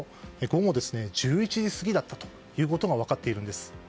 午後１１時過ぎだったことが分かっているんです。